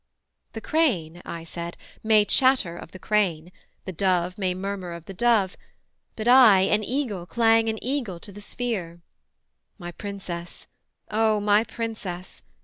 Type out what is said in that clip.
'The crane,' I said, 'may chatter of the crane, The dove may murmur of the dove, but I An eagle clang an eagle to the sphere. My princess, O my princess!